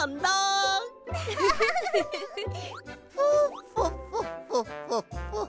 フォフォッフォッフォッフォッフォッ。